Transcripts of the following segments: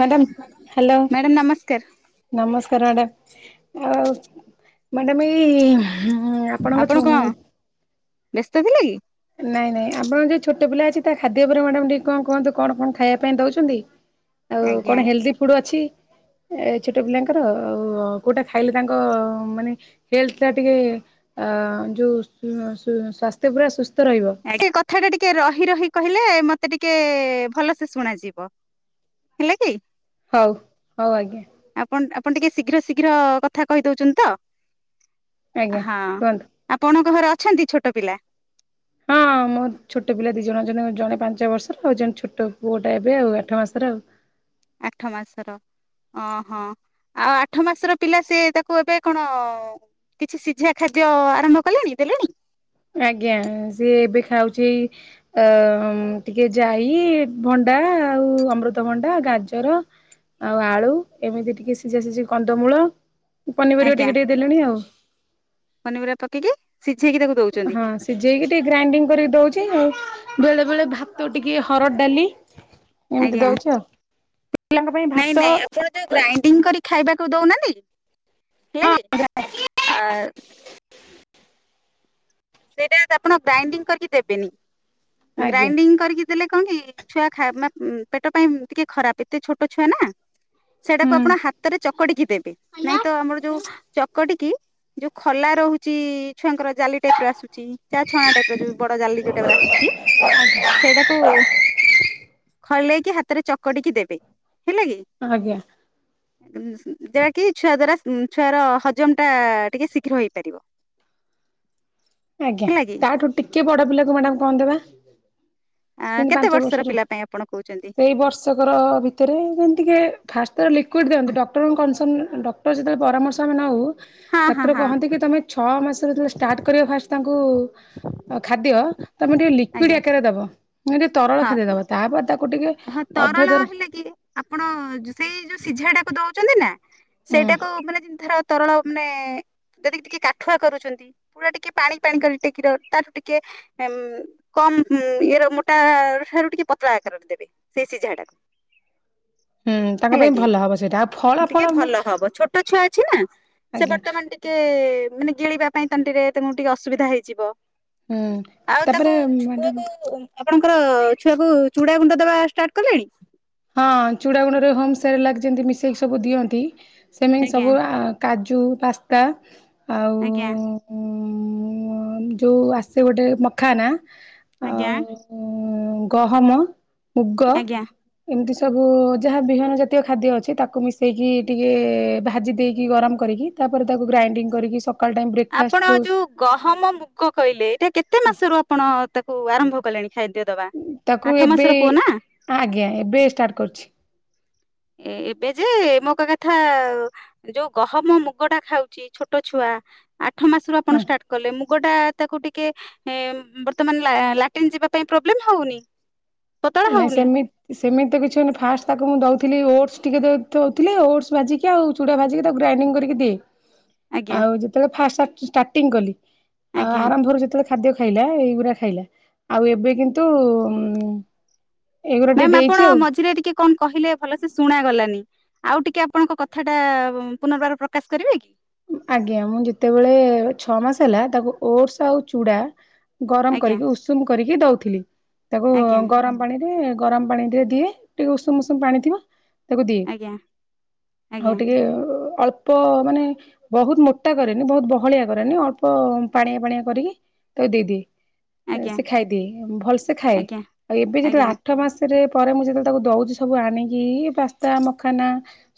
Madam hello. Madam ନମସ୍କାର ନମସ୍କାର madam, madam ଏଇ ହା ଆପଣ କଁ ବ୍ୟସ୍ତ ଥିଲେ କି? ନାଇଁ ନାଇଁ ଆପଣଙ୍କ ଯୋଉ ଛୋଟ ପିଲା ଅଛି। ତା ଖାଦ୍ୟ ଉପରେ ମ୍ୟାଡ଼ାମ ଟିକେ କଂ କୁହନ୍ତୁ କଣ କଣ ଖାଇବା ପାଇଁ ଦଉଚନ୍ତି? ଆଉ ଆଜ୍ଞା କଣ ହେଲଦି ଫୁଡ ଅଛି? ଏ ଛୋଟ ପିଲାଙ୍କର ଆଉ କୋଉଟା ଖାଇଲେ ତାଙ୍କ ମାନେ ହେଲଥ ଟା ଟିକେ ଅ ଯୋଉ ଶୁ ଶୁ ସ୍ୱାସ୍ଥ୍ୟ ପୁରା ସୁସ୍ଥ ରଇବ। ସେ କଥା ଟା ଟିକେ ରହି ରହି କହିଲେ ମତେ ଟିକେ ଭଲସେ ଶୁଣାଯିବ। ହେଲା କି? ହଉ, ହଉ ଆଜ୍ଞା। ଆପଣ ଆପଣ ଟିକେ ଶୀଘ୍ର ଶୀଘ୍ର କଥା କହିଦଉଚନ୍ତି ତ। ଆଜ୍ଞା ହଁ କୁହନ୍ତୁ। ଆପଣଙ୍କ ଘରେ ଅଛନ୍ତି ଛୋଟ ପିଲା। ହଁ। ମୋର ଛୋଟ ପିଲା ଦି ଜଣ ଯେଣ ଜଣେ ପାଞ୍ଚ ବର୍ଷର, ଆଉ ଯଣେ ଛୋଟ ପୁଅଟା ଏବେ ଆଉ ଆଠ ମାସର ଆଉ। ଆଠ ମାସର। ଓହୋ ଆଉ ଆଠ ମାସର ପିଲା ସିଏ ତାକୁ ଏବେ କଣ? କିଛି ସିଝା ଖାଦ୍ୟ ଆରମ୍ଭ କଲେଣି ଦେଲେଣି। ଆଜ୍ଞା, ସିଏ ଏବେ ଖାଉଚି ଅ ଟିକେ ଯାଇ ଭଣ୍ଡା ଆଉ ଅମୃତଭଣ୍ଡା ଗାଜର ଆଉ ଆଳୁ ଏମିତି ଟିକେ ସିଝା ସିଝି କନ୍ଦମୂଳ ପନିପରିବା ଟିକେ ଟିକେ ଦେଲେଣି ଆଉ। ପନିରିବା ପକେଇକି ସିଝେଇକି ତାକୁ ଦଉଚ। ନ୍ତି ସିଝେ ଇକି ଟିକେ ଗ୍ରାଇଣ୍ଡିଙ୍ଗ କରିକି ଦଉଛି ଆଉ। ବେଳେ ବେଳେ ଭାତ ଟିକେ ହରଡ଼ ଡାଲି - - ଏମିତି ଆଜ୍ଞା ଦଉଛି ଆଉ। ପିଲାଙ୍କ ପାଇଁ ଭାତ- - ଜେ ଗ୍ରାଇଣ୍ଡିଙ୍ଗ କରି ଖାଇବାକୁ ଦେଉନାହାଁନ୍ତି। ହଁ ହେଲାକି ଆ - - [inaudible] ସେଇଟା ଯଦି ଆପଣ ଗ୍ରାଇଣ୍ଡିଙ୍ଗ କରିକି ଦେବେନି ଆଜ୍ଞା ଗ୍ରାଇଣ୍ଡିଙ୍ଗ କରିକି - - ଦେଲେ କଣ କି ଛୁଆ ଖାଇବା ପେଟ ପାଇଁ ଟିକେ ଖରାପ ଏତେ ଛୋଟ ଛୁଆ ନା। ସେଇଟାକୁ ହୁଁ ଆପଣ ହାତେରେ ଚକଟିକି ଦେବେ ନାଇଁ ତ ଆମର ଯୋଉ ଚକଟିକି ଯୋଉ ଖଲା ରହୁଚିଛୁଆଙ୍କର ଜାଲ [unintelligible] ଆସୁଛି ଚା ଛଣା ଟାଇପ ର ଯୋଉ ବଡ ଜାଲି ଜୋ ଉଟା ଆସୁଚି। [inaudible] ସେଇଟାକୁ ଖଲେଇକି ହାତରେ ଚ ଚକଟିକି ଦେବେ ହେଲା କି। ଆଜ୍ଞା ଜା କିି ଛୁଆ ଦ୍ଵାରା ଛୁଆର ହଜମ ଟା ଟିକେ ଶୀଘ୍ର ହେଇପାରିବ। ଆଜ୍ଞା ହେଲା କି ତାଠୁ ଟିକେ ବଡ ପିଲାକୁ ମ୍ୟାଡାାମ କଣ ଦେବା। ଏମତି କେତେ ପାଞ୍ଚ ବର୍ଷର ପିଲା ପାଇଁ ଆପଣ କହୁଛନ୍ତି ସେଇ ବର୍ଷ ବର୍ଷକର ଭିତେରେ ଯେମିତିକି ଫାଷ୍ଟେରେ ଲିକୁଇଡ଼୍ ଦିଅନ୍ତି ଡକ୍ଟରଙ୍କ କନସଲ ଡ [unintelligible] ଯେତେବେଳେ ପରାମର୍ଶ ଆମେନୋଉ ହଁ ହଁ ଡକ୍ଟର ହଁ କହନ୍ତି କି ତମେ ଛ ମାସରେ ଯେତେବେଳେ ଷ୍ଟାର୍ଟ କରିବ ଫାଷ୍ଟ ତାଙ୍କୁ ଖାଦ୍ୟ ତମେ ଟିକେ ଲିକଇଡ ଆଜ୍ଞା ଆକାରରେ ଦବ। ତରଳ ହଁ ଖାଦ୍ୟ ଦବ ତାପରେ ତାକୁ ଟିକେ ହଁ ଅଧ ତରଳ ଦର ହେଲେ କି ଆପଣ ଜୋ ସେଇ ଯୋଉ ସିଝା ଟାକୁ ଦୋଉଚନ୍ତି ନା ହୁଁ ସେଇଟାକୁ ମାନେ ଧର ତରଳ ମାନେ ଯଦିକି ଟିକେ କାଠୁଆ କରୁଚନ୍ତି। ପୁରା ଟିକେ ପାଣି ପାଣି କରି ଟେକି ର ତାଠୁ ଟିକେ ଏମ୍ କମ ଇଏର ମୋଟା ଠାରୁ ଟିକେ ପତଳା ଆକାରରେ ଦେବେ। ସେ ସିଝାଟାକୁ। ହୁଁ ତାଙ୍କ ହେଲା ପାଇଁ କି ଭଲ ହବ ସେଇଟା ଆଉ ଫଳ ଫଳ ଟିକେ ଭଲ ହବ ଛୋଟ ଛୁଆ ଅଛି ନା। ସେ ଆଜ୍ଞା ବର୍ତ୍ତମାନ ଟିକେ ମାନେ ଗିଳିବା ପାଇଁ ତଣ୍ଟିରେ ତମକୁ ଟିକେ ଅସୁବିଧା ହେଇଯିବ। ହୁଁ ଆଉ ତାକୁ ତାପରେ ଛୁଆକୁ ମ୍ୟାଡାମ [unintelligible] ଆପଣଙ୍କର ଛୁଆ କୁ ଚୁଡା ଗୁଣ୍ଡ ଦବା ଷ୍ଟାର୍ଟ କଲେଣି? ହଁ ଚୂଡ଼ାାଗୁଣ୍ଡରେ ହୋମ୍ ସେରଲାଗ ଯେମିତି ମିଶେ ଇକି ସବୁ ଦିଅନ୍ତି ସେମିତି ଆଜ୍ଞା ସବୁ କାଜୁ ପାସ୍ତା ଆଉ ଆଜ୍ଞା। ଉଁ ଅଁ ଯୋଉ ଆସେ ଗୋଟେ ମଖାନା। ଆଜ୍ଞା। ଉଁ ଗହମ ମୁଗ। [unintelligible] ଏମିତି ସବୁ ଯାହା ବିହନ ଜାତୀୟ ଖାଦ୍ୟ ଅଛି ତାକୁ ମିଶେଇକି ଟିକେ ଭାଜି ଦେଇକି ଗରମ କରିକି ତାପରେ ତାକୁ ଗ୍ରାଇଣ୍ଡିଙ୍ଗ କରିକି ସ ଆପଣ ଯୋଉ ଗହମ ମୁଗ କଇଲେ ଏଇଟା କେତେ ମାସରୁ ଆପଣ ତାକୁ ଆରମ୍ଭ କଲେଣି? ଖାଦ୍ୟ ଦବା। ତାକୁ ଆଠ ଏବେ ମାସର ପୁଅ ନା ଆଜ୍ଞା ଏବେ ଷ୍ଟାର୍ଟ କରୁଚି। ଏ ଏବେ ଯେ ମୋ କ କଥା ଆଉ ଯୋଉ ଗହମ ମୁଗ ଟା ଖାଉଚି ଛୋଟ ଛୁଆ ଆଠ ମାସରୁ ହଁ। ଆପଣ ଷ୍ଟାର୍ଟ କଲେ ମୁ ମୁଗଟା ତାକୁ ଟିକେ ବର୍ତ୍ତମାନ ଲାଟି୍ରନ୍ ଯିବା ପାଇଁ ପ୍ରୋବ୍ଲେମ ହୋଉନି? ନାଇ ସେମିତି ସେମିତି ତ କିଛିହୋଉନି ଫାଷ୍ଟ ତାକୁ ମୁଁ ଦୋଉଥିଲି ଓଟ୍ସ ଟିକେ ଦୋଉଥିଲି ଓଟ୍ସ ମାଜିକି ଆଉ। ଚୁଡ଼ା ଭାଜିକି ତାକୁ ଗ୍ରାଇଣ୍ଡିଙ୍ଗ କରିକି ଦିଏ। ଆଜ୍ଞା ଆଉ ଯେତବେଳେ ଫା ଷ୍ଟାର୍ଟିଂ କଲି ଆଉ ଆଜ୍ଞା ଆରମ୍ଭରୁ ଯେତବେଳେ ଖାଦ୍ୟ ଖାଇଲା ଏଇଗୁଡା ଖାଇଲା ଆଉ ଏବେ କିନ୍ତୁ ଉ ମ୍ୟାାମ ଆପଣ ମଝିରେ ଟିକେ କଣ କହିଲେ ଭଲ ସେ ଶୁଣାଗଲାନି। ଆଉ ଟିକେ ଆପଣଙ୍କ କଥାଟା ପୁନର୍ବାର ପ୍ରକାଶ କରିବେ କି? ଆଜ୍ଞା ମୁଁ ଯେତେବେଳେ ଛଅ ମାସ ହେଲା ତାକୁ ଓଡସ ଆଉ ଚୁଡା ଗରମ ଆଜ୍ଞା କରିକି ଉଷୁମ କରିକି ଦଉଥିଲି ତାକୁ ଆଜ୍ଞା ଗରମ ପାଣିରେ ଗରମ ପାଣିରେ ଦିଏ ଟିକେ ଉଷୁମ୍ ଉଷୁମ୍ ପାଣି ଥିବ - ତାକୁ ଦିଏ ଆଜ୍ଞା ଆଉ ଆଜ୍ଞା ଟିକେ ଅଳ୍ପ ମାନେ ବହୁତ୍ ମୋଟା କରେନି ବହତ୍ ବହଳିଆ କରେନି ଅଳ୍ପ ପାଣିଆ ପାଣିଆ କରିକି ତାକୁ ଦେଇଦିଏ। ଆଜ୍ଞା ସେ ଖାଇଦିଏ ଭଲ୍ ସେ ଖାଏ ଆଜ୍ଞା। ଆଉ ଏବେ ଆଜ୍ଞା ଯେତେବେଳେ ଆଠ ମାସ ସେଥିରେ ପରେ ମୁଁ ଯେତେବେଳେ ତାକୁ ଦେଉଛି ସବୁ ଆଣିକି ପାସ୍ତା, ମଖାନା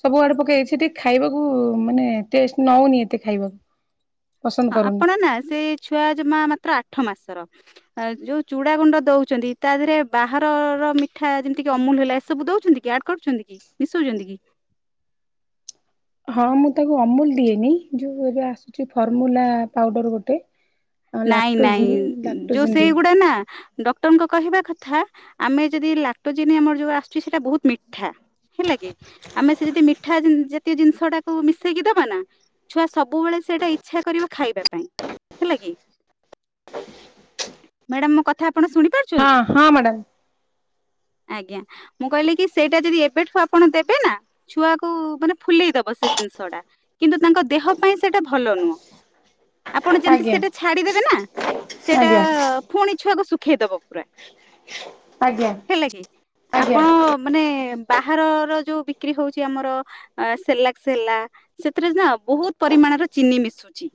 ସବୁ ଆଡେ ପକେଇଲେ ସିଏ ଟିକେ ଖାଇବାକୁ ମାନେ ଟେଷ୍ଟ ନଉନି ଏତେ ଖାଇବାକୁ। ପସନ୍ଦ ହଁ କରୁନି। ଆପଣ ନା ସେଇ ଛୁଆ ଜମା ମାତ୍ର ଆଠ ମାସର ଯୋଉ ଚୁଡା ଗୁଣ୍ଡ ଦଉଛନ୍ତି ତା ଦେହରେ ବାହାରର ମିଠା ଯେମିତି କି ଅମୁଲ ହେଲା ଏସବୁ ଦଉଛନ୍ତି କି ଆଡ୍ କରୁଛନ୍ତି କି ମିଶଉଛନ୍ତି କି? ହଁ ମୁଁ ତାକୁ ଅମୁଲ ଦିଏନି ଯୋଉ ଏବେ ଆସୁଛି ଫର୍ମୁଲା ପାଉଡର ଗୋଟେ ନାଇଁ ଲାକ୍ଟୋଜିନ୍ ନାଇଁ ଯୋଉ ଲାକ୍ଟୋଜିନ୍ ଦିଏ। ସେଇଗୁଡା ନା ଡକ୍ଟରଙ୍କ କହିବା କଥା ଆମେ ଯଦି ଲାକ୍ଟୋଜିିନ ଆମର ଯଉ ଆସୁଛି ସେଇଟା ବହୁତ୍ ମିଠା ହେଲା କି ଆମେ ସେ ଯଦି ମିଠା ଜାତୀୟ ଜିନିଷ ଟାକୁ ମିଶେଇକି ଦବା ନା ଛୁଆ ସବୁବେଳେ ସେଇଟା ଇଚ୍ଛା କରିବ ଖାଇବା ପାଇଁ ହେଲା କି ମ୍ୟାଡାମ୍ ମୋ କଥା ଆପଣ ଶୁଣି ହଁ ପାରୁଛନ୍ତି? ହଁ [inaudible] ଆଜ୍ଞା ମୁଁ କହିଲି କି ସେଇଟା ଯଦି ଏବେଠୁ ଆପଣ ଦେବେ ନା ଛୁଆକୁ ମାନେ ଫୁଲେଇ ଦବ ସେ ଜିନିଷ ଟା କିନ୍ତୁ ତାଙ୍କ ଦେହ ପାଇଁ ସେଟା ଭଲ ନୁହଁ। ଆପଣ ଯେମିତି ଆଜ୍ଞା ସେଟା ଛାଡିଦେବେ ନା ସେଟା ଆଜ୍ଞା ପୁଣି ଛୁଆକୁ ଶୁଖେଇଦବ ପୁରା ଆଜ୍ଞା ହେଲା କି ଆଜ୍ଞା। ଆପଣ ମାନେ ବାହାରର ଯୋଉ ବିକ୍ରି ହଉଛି ଆମର ଅ ସେରଲାକ୍ସ ସେଥିରେ ନା ବହୁତ ପରିମାଣର ଚିନି ମିଶୁଛି।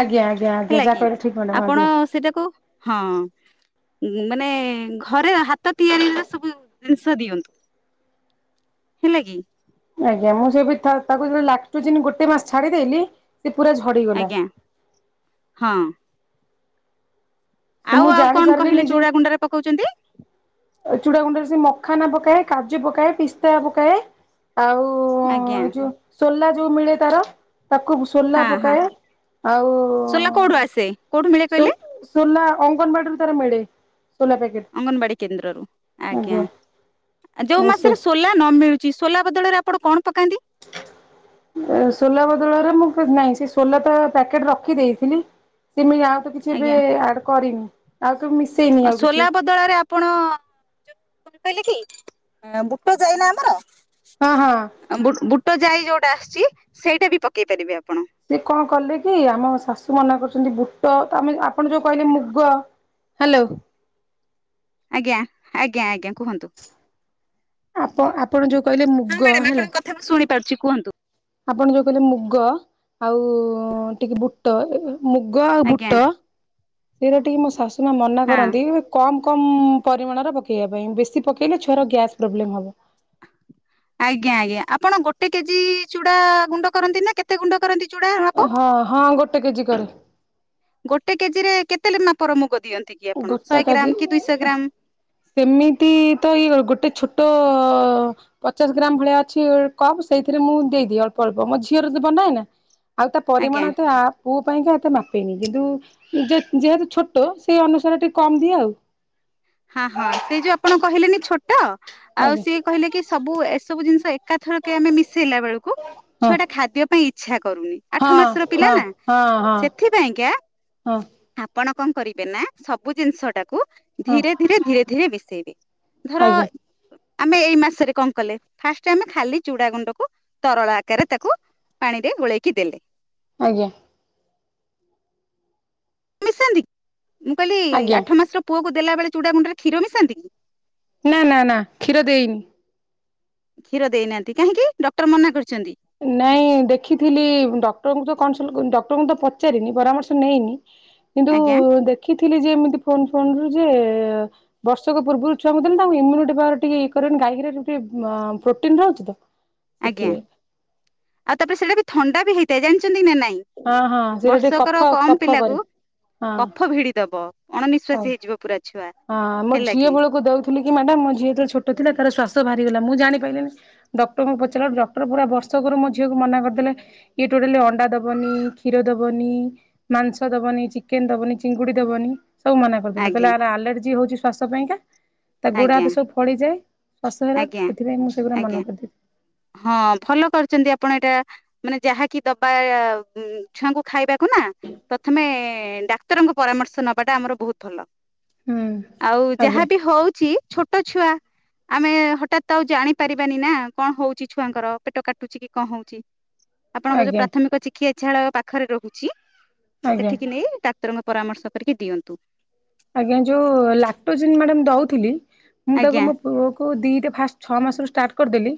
ଆଜ୍ଞ ଆଜ୍ଞା। ଆଜ୍ଞା ହେଲା ଯାହା କି କହିଲେ ଠିକ୍ ମ୍ୟାଡ଼ାମ ଆପଣ ଆଜ୍ଞା। ସେଇଟାକୁ ହଁ। ମାନେ ଘରେ ହାତ ତିଆରିର ସବୁ ଜିନିଷ ଦିଅନ୍ତୁ। ହେଲା କି। ଆଜ୍ଞା ମୁଁ ସେ ବି ଥ ତାକୁ ଲାକ୍ଟଯିନି ଯିନି ଗୋଟେ ମାସ ଛାଡିଦେଲି ସେ ପୁରା ଝ ଆଜ୍ଞା ହଁ। ଆଉ ମୁଁ ଆଉ କଣ ଜାଣିପାରିଲିନି କହିଲେ ଚୁଡା ଗୁଣ୍ଡାରେ ପକଉଛନ୍ତି? ଏ ଚୁଡା ଗୁଣ୍ଡରେ ସେ ମଖାନା ପକାଏ କାଜୁ ପକାଏ ପିସ୍ତା ପକାଏ। ଆଉ ଆଜ୍ଞା ଏ ଯୋଉ ସୋଲା ଯୋଉ ମିଳେ ତାର ତାକୁ ସୋଲା ହଁ ହଁ ପକାଏ ଆଉ ସୋଲା କୋଉଠୁ ଆସେ କୋଉଠୁ ମିଳେ ସୋ କହିଲେ? ସୋଲା ଅଙ୍ଗନବାଡିରୁ ତାର ମିଳେ। ସୋଲା ପ୍ୟାକେଟ ଅଙ୍ଗନବାଡି କେନ୍ଦ୍ରରୁ ଆଜ୍ଞା ଆ ଯୋଉ ଏସବୁ ମାସରେ ସୋଲା ନ ମିଳୁ ଚି ସୋଲା ବଦଳରେ ଆପଣ କଣ ପକାନ୍ତି? [inaudible] ସୋଲା ବଦଳରେ ମୁଁ ନାଇଁ ସେ ସୋଲା ତ ପ୍ୟାକେଟ ରଖି ଦେଇଥିଲି ସେ ମି ଆଉ ଆଉ ତ କିଛି ଆଜ୍ଞା ଆଡ୍ କରିନି ଆଉ ତ ମିସ୍ - ଆଉ ସୋଲା ବ ଦଳରେ ଆପଣ ଯୋଉ କହିଲେ କି ବୁଟ ଯାଇ ନା ଆମର [unintelligible] ହଁ, ହଁ। ଆଉ ବୁଟ ଯାଇ ଯୋଉଟା ଆସିୁଛି ସେଇଟା ବି ପକେଇ ପାରିବେ ଆପଣ। ସେ କଣ କଲେ କି ଆମ ଶାଶୁ ମନା କରୁଛନ୍ତି ବୁଟ ତ ଆମେ ଆପଣ ଯୋଉ କହିଲେ ମୁଗ, ହାଲୋ। ଆଜ୍ଞା ଆଜ୍ଞା ଆଜ୍ଞା। କୁହନ୍ତୁ ଆପ ଆପଣ ଯୋଉ କହିଲେ ମୁଗ ହେଲେ। ତଥା ବି ଶୁଣିପାରୁଛି କୁହନ୍ତୁ। ଆପଣ ଯୋଉ କହିଲେ ମୁଗ ଆଉ ଟିକେ ବୁଟ ଏ ମୁଗ ଆଉ ଆଜ୍ଞା ବୁଟ ସେଇଟା ଟିକେ ମୋ ଶାଶୁ ମା ମନା ହଁ କରନ୍ତି। କମ୍ କମ୍ ପରିମାଣର ପକାଇବା ପାଇଁ ବେଶୀ ପକାଇଲେ ଛୁଆର ଗ୍ୟାସ୍ ପ୍ରୋବ୍ଲେମ୍ ହେବ। ଆଜ୍ଞା ଆଜ୍ଞା ଆପଣ ଗୋଟେ କେଜି ଚୁଡା ଗୁଣ୍ଡ କରନ୍ତି ନା କେତେ ଗୁଣ୍ଡ କରନ୍ତି। ଚୁଡା ମାପ ହଁ ହଁ ଗୋଟେ କେଜି କରେ। ଗୋଟେ କେଜି ରେ କେତେ ମାପର ମୁଗ ଦିଅନ୍ତି କି ଆପଣ ଗୋଟା ଶହେ କାଜି ଗ୍ରାମ କି ଦୁଇଶହ ଗ୍ରାମ। ସେମିତି ତ ଇଏ ଗୋଟେ ଛୋଟ ପଚାଶ ଗ୍ରାମ ଭଳିଆ ଅଛି କପ୍ ସେଇଥିରେ ମୁଁ ଦେଇଦିଏ ଅଳ୍ପ ଅଳ୍ପ ମୋ ଝିଅର ବନାଏ ନାଁ। ଆଉ ତା ଆଜ୍ଞା ପରିମାଣ ତ ଆ ପୁଅ ପାଇଁକା ଏତେ ମାପିନି କିନ୍ତୁ ଯେ ଯେହେତୁ ଛୋଟ ସେଇ ଅନୁସାରେ ଟିକେ କମ ଦିଏ ଆଉ। ହା ହଁ ସେ ଯୋଉ ଆପଣ କହିଲେନି ଛୋଟ, ଆଉ ଆଜ୍ଞା ସିଏ କହିଲେ କି ସବୁ ଏସବୁ ଜିନିଷ ଏକାଥରକେ ଆମେ ମିଶେଇଲା ବେଳକୁ ହଁ ଛୁଆଟା ଖାଦ୍ୟ ପାଇଁ ଇଚ୍ଛା କରୁନି। ଆଠ ମାସର ପିଲା ହଁ ନା ହଁ ହଁ ସେଥିପାଇଁକା ହଁ ହଁ ଆପଣ କଣ କରିବେ ନା ସବୁ ଜିନିଷ ଟାକୁ ହଁ ଧୀରେ ଧୀରେ ଧୀରେ ଧୀରେ ମିଶେଇବେ ଧର ଆଜ୍ଞା ଆମେ ଏଇ ମାସରେ କଣ କଲେ ଫାଷ୍ଟ ଆମେ ଖାଲି ଚୁଡା ଗୁଣ୍ଡକୁ ତରଳ ଆକାରରେ ତାକୁ ପାଣିରେ ଗୋଳେଇକି ଦେଲେ। ଆଜ୍ଞା। ମିଶାନ୍ତି, ମୁଁ କହିଲି ଆଜ୍ଞା ଆଠ ମାସର ପୁଅକୁ ଦେଲାବେଳେ ଚୁଡ଼ାଗୁଣ୍ଡରେ କ୍ଷୀର ମିଶାନ୍ତି କି? ନା ନା ନା କ୍ଷୀର ଦେଇନି। କ୍ଷୀର ଦେଇନାହାନ୍ତି କାହିଁକି ଡକ୍ଟର ମନା କରିଛନ୍ତି। ନାଇଁ ଦେଖିଥିଲି ଡକ୍ଟରଙ୍କୁ ତ କନସଲ ଡକ୍ଟରଙ୍କୁ ତ ପଚାରିନି ପରାମର୍ଶ ନେଇନି। କିନ୍ତୁ ଆଜ୍ଞା ଦେଖିଥିଲି ଯେ ଏମିତି ଫୋନ ଫୋନ ରୁ ଯେ, ବର୍ଷକ ପୂର୍ବରୁ ଛୁଆ ଙ୍କୁ ଦେଲେ ତାଙ୍କ ଇମ୍ୟୁନି ପାୱାର ଟିକେ ଇଏ କରେନି ଗାଇଗ୍ରେଟ ପ୍ରୋଟିନ ରହୁଛି ତ। ଆଜ୍ଞା ସେଥିପାଇଁ। ଆଉ ତାପରେ ସେଇଟା ବି ଥଣ୍ଡା ବି ହେଇଥାଏ ଜାଣିଛନ୍ତି ନା ନାଇଁ। ହଁ ହଁ ସେଇଟା ଟିକେ କଫ ବର୍ଷକର କମ କଫ ପିଲାକୁ କରେ ହଁ କଫ ଭିଡିଦବ। ହଉ। ଅଣନିଶ୍ୱାସି ହେଇିଯିବ ପୁରା। ଛୁଆ ହଁ ମୋ ହେଲା ଝିଅ କି ବେଳକୁ ଦଉଥିଲି କି ମ୍ୟାଡ଼ାମ ମୋ ଝିଅ ତେଳେ ଛୋଟ ଥିଲା ତାର ଶ୍ୱାସ ବାହାରିଗଲା ମୁଁ ଜାଣିପାଇଲିନି। ଡକ୍ଟରଙ୍କୁ ପଚାରିଲା ବେଳ କୁ ଡକ୍ଟର ପୁରା ବର୍ଷକ ମୋ ଝିଅକୁ ମନା କରିଦେଲେ। ଇଏ ଟୋଟାଲି ଅଣ୍ଡା ଦବନି କ୍ଷୀର ଦବନି। ମାଂସ ଦବନି, ଚିକେନ ଦବନି, ଚିଙ୍ଗୁଡି ଦବନି, ସବୁ ମନା କରିଦେଲେ କହିଲେ ଆଜ୍ଞା ଆର ଆଲର୍ଜି ହଉଛି ଶ୍ଵାସ ପାଇଁକା ତା ଗୋଡା ଆଜ୍ଞା ହାତ ସବୁ ଫଳି ଯାଏ। ଅସହରା ଆଜ୍ଞା ସେଥିପାଇଁ ମୁଁ ସେଗୁରା ଆଜ୍ଞା ମନ କରିଥିଲି। ହଁ ଭଲ କରିଛନ୍ତି ଆପଣ ଏଇଟା। ମାନେ ଯାହାକି ଦବା ଏ ଉଁ ଛୁଆଙ୍କୁ ଖାଇବାକୁ ନାଁ। ପ୍ରଥମେ ଡାକ୍ତରଙ୍କ ପରାମର୍ଶ ନବାଟା ଆମର ବହୁତ ଭଲ। ହୁଁ ଆଉ ଆଜ୍ଞା ଯାହାବି ହଉଛି ଛୋ ଟ ଛୁଆ ଆମେ ହଠାତ ତ ଆଉ ଜାଣିପାରିବାନି ନାଁ କଣ ହଉ କିଛି ଛୁଆଙ୍କର ପେଟ କାଟୁଛିକି କଣ ହଉଚି ଆପଣଙ୍କ ଯୋଉ ଆଜ୍ଞା ପ୍ରାଥମିକ ଚି ଖିଏ ଛାଳ ପାଖରେ ରହୁଚି ଆଜ୍ଞା ସେଠିକି ନେଇ ଡାକ୍ତରଙ୍କ ପରାମର୍ଶ କରିକି ଦିଅନ୍ତୁ। ଆଜ୍ଞା ଯୋଉ ଲାକ୍ଟୋଜିନ୍ ମ୍ୟାଡମ୍ ଦଉଥିଲି ମୁଁ ଆଜ୍ଞା ତାକୁ ପୁଅ କୁ ଦିଟା ଫାଷ୍ଟ ଛଅ ମାସରୁ ଷ୍ଟାର୍ଟ କରିଦେଲି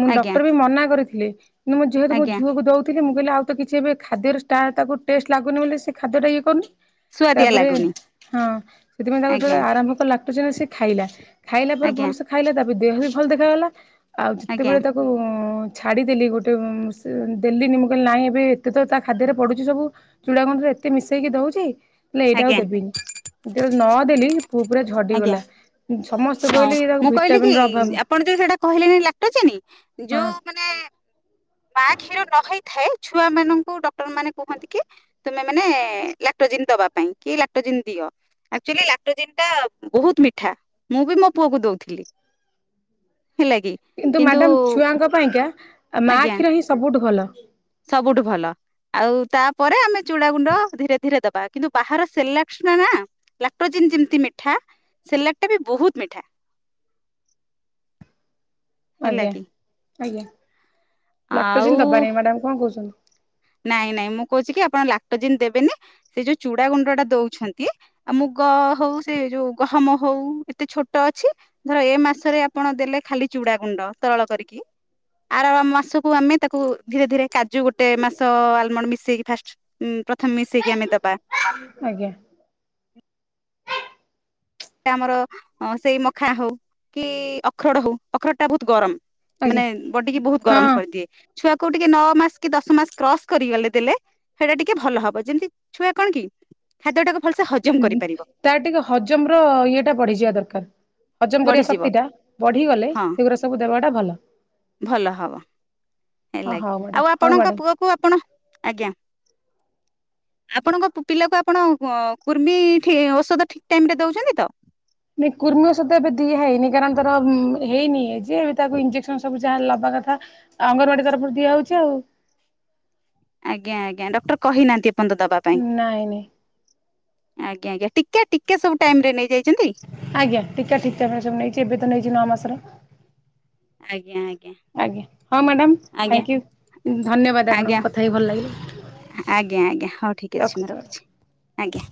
ମୁଁ ଆଜ୍ଞା ଡକ୍ଟର ବି ମନା କରିଥିଲି। ମୁଁ ଯେହେତୁ ମୋ ଆଜ୍ଞା ଝୁଅକୁ ଦଉ ଟିକେ ମୁଁ କଇଲି ଆଉ ତ କିଛି ଏବେ ଖାଦ୍ୟରୁ ଷ୍ଟାଟ ତାକୁ ଟେଷ୍ଟ ଲାଗୁନି ବୋଲି ସେ ଖାଦ୍ୟ ଟା ଇଏ କରୁନି। ସୁଆଦିଆ ତାପରେ ଲାଗୁନି। ହଁ, ସେଥିପାଇଁ ତାକୁ ଆଜ୍ଞା ଯେତେବେଳେ ଆରମ୍ଭ କଲା ଲାକ୍ଟୋଜିନ୍‌ ସେ ଖାଇଲା। ଖାଇଲା ପରେ ଆଜ୍ଞା ଭଲସେ ଖାଇଲା, ତାପରେ ଦେହ ବି ଭଲ ଦେଖାଗଲା। ଆଉ ଆଜ୍ଞା ଯେତେବେଳେ ତାକୁ ଛାଡ଼ିଦେଲି ଗୋଟେ। ସେ ଦେଲିନି। ମୁଁ କହିଲି, ନାହିଁ ଏବେ ଏତେ ତ ତା ଖାଦ୍ୟରେ ପଡ଼ୁଚି ସବୁ। ଚୁଡ଼ାଗୁଣ୍ଡ ରେ ଏତେ ମିଶେଇକି ଦଉଚି, ହେଲେ ଏଇଟା ଆଜ୍ଞା ଆଉ ଦେବିନି। ଯେତେବେଳେ ନଦେଲି, ପୁଅ ପୁରା ଆଜ୍ଞା ଝଡ଼ିଗଲା। ସମସ୍ତେ ହଁ କହିଲେ, ଏରା ମୁଁ କହିଲି କି ଭିଟାମିନ୍‌ ର ଅଭାବ। ଆପଣ ଯୋଉ ସେଇଟା କହିଲେଣି, ଲାକ୍ଟୋଜିନ୍‌ ହଁ ଯୋଉ ମାନେ ମା କ୍ଷୀର ନଖାଇଥାଏ, ଛୁଆମାନଙ୍କୁ ଡକ୍ଟର ମାନେ କୁହନ୍ତି କି ତୁମେମାନେ ଲାକ୍ଟୋଜିନ୍ ଦବା ପାଇଁ, କି ଲାକ୍ଟୋଜିନ୍ ଦିଅ। ଆକ୍ଚୁଲି, ଲାକ୍ଟୋଜିନ୍‌ ଟା ବହୁତୁ ମିଠା। ମୁଁ ବି ମୋ ପୁଅକୁ ଦଉଥିଲି। ହେଲା କି? କିନ୍ତୁ ମ୍ୟାଡାମ୍, ଛୁଆଙ୍କ ପାଇଁକା ମା ଆଜ୍ଞା କ୍ଷୀର ହିଁ ସବୁଠୁ ଭଲ। ସବୁଠୁ ଭଲ। ଆଉ ତାପରେ ଆମେ ଚୁଡ଼ା ଗୁଣ୍ଡ ଧୀରେ ଧୀରେ ଦବା। କିନ୍ତୁ ବାହାର ସେରେଲାକ୍ସ ନା ଲାକ୍ଟୋଜିନ୍ ଯେମିତି ମିଠା, ସେରେଲାକ୍ ଟା ବି ବହୁତୁ ମିଠା। ହେଲା ଆଜ୍ଞା, କି ଆଜ୍ଞା। ଆଉ ଲାକ୍ଟୋଜିନ୍‌ ଦବାନି, ମ୍ୟାଡାମ କଣ କହୁଚନ୍ତି? ନାଇଁ, ନାଇଁ, ମୁଁ କହୁଚିକି, ଆପଣ ଲାକ୍ଟୋଜିନ୍‌ ଦେବେନି। ସେ ଯୋଉ ଚୁଡା ଗୁଣ୍ଡ ଟା ଦଉଛନ୍ତି ଆଉ ମୁଗ ହଉ, ସେ ଯୋଉ ଗହମ ହଉ, ଏତେ ଛୋଟ ଅଛି। ଧର, ଏ ମାସରେ ଆପଣ ଦେଲେ ଖାଲି ଚୁଡ଼ା ଗୁଣ୍ଡ ତରଳ କରିକି ଆର ମାସକୁ ଆମେ ତାକୁ ଧୀରେ ଧୀରେ କାଜୁ, ଗୋଟେ ମାସ ତ ଆଲମଣ୍ ମିଶେଇକି ଫାଷ୍ଟ, ପ୍ରଥମେ ମିଶେଇକି ଆମେ ଦବା। ଆଜ୍ଞା। ସେ ଆମର ସେଇ ମଖା ହଉ କି ଅଖରୋଡ ହଉ, ଅଖରୋଡ ଟା ବହୁତୁ ଗରମ। ଆଜ୍ଞା। ମାନେ, ବଡ଼ିକି ବହୁତୁ ଗରମ ହଁ କରିଦିଏ। ଛୁଆ କୁ ଟିକେ ନଅ ମାସେ କି ଦଶ ମାସେ କ୍ରସ କରିଗଲେ, ଦେଲେ ସେଇଟା ଟିକେ ଭଲ ହବ। ଯେମିତି ଛୁଆ କଣ କି ଖାଦ୍ୟ ଟାକୁ ଭଲସେ ହଜମ ଉଁ, କରିପାରିବ। ତାର ଟିକେ ହଜମ ର ଇଏ ଟା ବଢ଼ିଯିବା ଦରକାର। ହଜମ କରିବା ବଢିଯିବ ଶକ୍ତି ଟା ବଢିଗଲେ, ହଁ ସେଗୁରା ସବୁ ଦେବାଟା ଭଲ। ଭଲ ହବ। ଅ ହେଲା କି ହଉ ମ୍ୟାଡାମ ଆଉ ହଉ ଆପଣଙ୍କ ମ୍ୟାଡାମ। ପୁଅ କୁ ଆପଣ, ଆଜ୍ଞା। ଆପଣଙ୍କ ପିଲାକୁ ଆପଣ କୁର୍ମି ଠି ଔଷଧ ଠିକ୍ ଟାଇମ୍ ରେ ଦଉଛନ୍ତି ତ? ନାଇଁ କୁର୍ମି ଔଷଧ ଏବେ ଦିଆ ହେଇନି। କାରଣ ତାର ହେଇନି ଏଯେ, ଏ ତାକୁ ଇଞ୍ଜେକ୍ସନ ସବୁ ଯାହା ଲବା କଥା ଅଙ୍ଗନବାଡି ତରଫରୁ ଦିଆ ହଉଚି ଆଉ। ଆଜ୍ଞା, ଆଜ୍ଞା। ଡକ୍ଟର କହିନାହାନ୍ତି ଏପନ୍ତ ଦବା। ପାଇଁ ନାଇଁ, ନାଇଁ। ଆଜ୍ଞା, ଆଜ୍ଞା। ଟିକା ଟିକା ସବୁ ଟାଇମ୍ ରେ ନେଇଯାଇଚନ୍ତି? ଆଜ୍ଞା। ଟିକା ଠିକ୍ ଟାଇମ୍ ସବୁ ନେଇଚି, ଏବେ ତ ନେଇଚି ନଅ ମାସର। ଆଜ୍ଞା ଆଜ୍ଞା ଆଜ୍ଞା। ହଁ ମ୍ୟାଡାମ୍, ଆଜ୍ଞା ଥାଙ୍କ୍ ୟୁ। ଧନ୍ୟବାଦ ଆପଣଙ୍କୁ ଆଜ୍ଞା କଥା ହେଇ ଭଲ ଲାଗିଲା। ଆଜ୍ଞା, ଆଜ୍ଞା। ହଉ ଠିକ୍ ଅଛି। ମୁଁ ରଖୁଛି, ଆଜ୍ଞା।